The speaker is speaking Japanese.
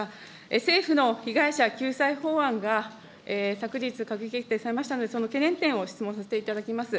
政府の被害者救済法案が昨日閣議決定されましたので、その懸念点を質問させていただきます。